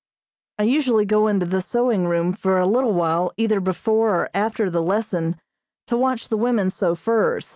I usually go into the sewing room for a little while either before or after the lesson to watch the women sew furs.